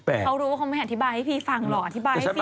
เขารู้ว่าเขามาอธิบายให้พี่ฟังหรอ